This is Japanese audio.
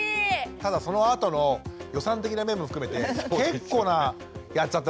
ただそのあとの予算的な面も含めて結構な「やっちゃった！」